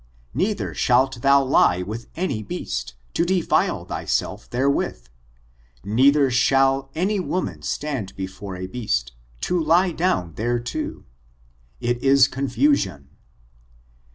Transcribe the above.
Neither shalt thou lie with any beast, to defile thy self therewith; neither shall any iroman stand before a beast, to lie down thereto: it is confusion.